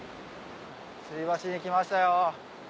つり橋に来ましたよ。